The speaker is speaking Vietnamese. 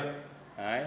hội nghề nghiệp